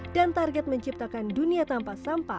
dan target menciptakan dunia tanpa sampah